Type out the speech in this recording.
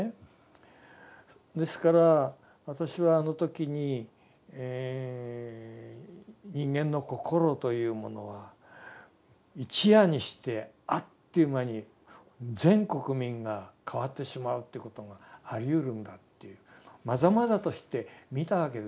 ですから私はあの時に人間のこころというものは一夜にしてあっという間に全国民が変わってしまうということがありうるんだというまざまざとして見たわけですよ